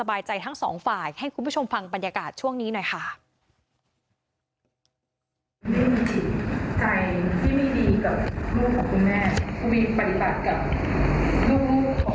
และต้องขอโทษกับยารื่นบุคลิกข้าบมันทุกทีกันจากนั้นมีหยกรรมที่ดีต้องมีของที่จะปวดโบร์ด